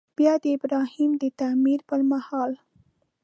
بیا د ابراهیم د تعمیر پر مهال.